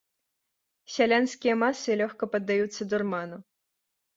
Сялянскія масы лёгка паддаюцца дурману.